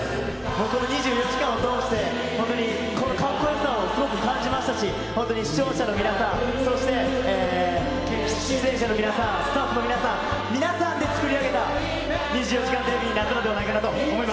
本当に２４時間を通して、本当にかっこよさをすごく感じましたし、本当に視聴者の皆さん、そして出演者の皆さん、スタッフの皆さん、皆さんで作り上げた２４時間テレビになったのではないかと思い